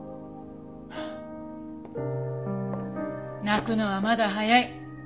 泣くのはまだ早い。